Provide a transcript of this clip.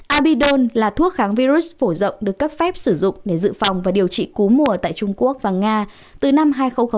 abidon là thuốc kháng virus phổ rộng được cấp phép sử dụng để dự phòng và điều trị cú mùa tại trung quốc và nga từ năm hai nghìn một mươi